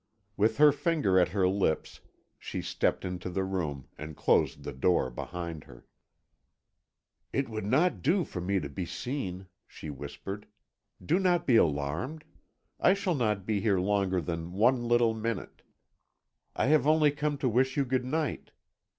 With her finger at her lips she stepped into the room, and closed the door behind her. "It would not do for me to be seen," she whispered. "Do not be alarmed; I shall not be here longer than one little minute. I have only come to wish you good night.